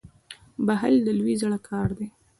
• بخښل د لوی زړه کار دی.